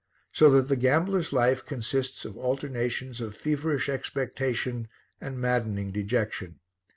So that the gambler's life consists of alternations of feverish expectation and maddening dejection.